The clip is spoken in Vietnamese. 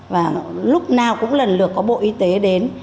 và lúc nào cũng lần lượt có bộ y tế đến